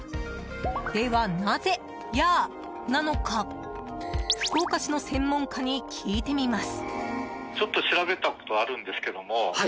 ではなぜ、ヤーなのか福岡市の専門家に聞いてみます。